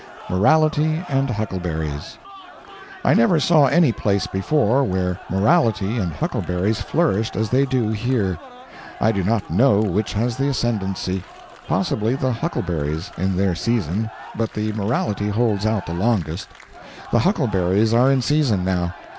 Morality and Huckleberries. I never saw any place before where morality and huckleberries flourished as they do here. I do not know which has the ascendancy. Possibly the huckleberries, in their season, but the morality holds out the longest. The huckleberries are in season, now.